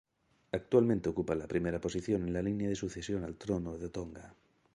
Actualmente ocupa la primera posición en la línea de sucesión al trono de Tonga.